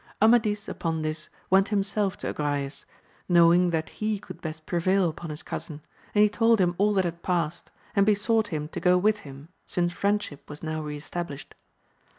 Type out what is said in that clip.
Amadis upon this went himself to Agrayes, knowing that he could best prevail upon his cousin, and he told him all that had passed, and besought him to go with him, since Mendship was now re established.